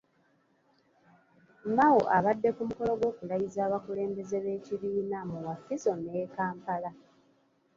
Mao abadde ku mukolo gw’okulayiza abakulembeze b’ekibiina mu Wakiso ne Kampala.